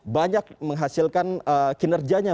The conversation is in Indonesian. banyak menghasilkan kinerjanya